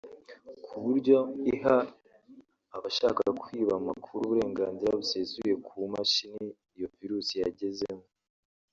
ku buryo iha abashaka kwiba amakuru uburenganzira busesuye ku mashini iyo virusi yagezemo